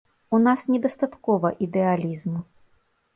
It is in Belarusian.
У нас недастаткова ідэалізму.